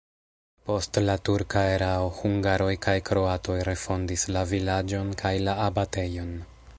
Post la turka erao hungaroj kaj kroatoj refondis la vilaĝon kaj la abatejon.